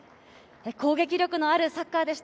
攻撃力のあるサッカーでした。